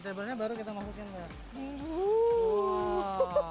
table nya baru kita masukkan ya